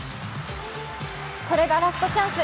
これがラストチャンス。